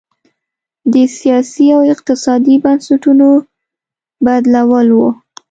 د سیاسي او اقتصادي بنسټونو بدلول و.